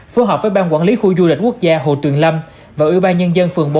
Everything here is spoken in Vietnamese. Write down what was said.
phối hợp với ban quản lý khu du lịch quốc gia hồ tuyền lâm và ủy ban nhân dân phường bốn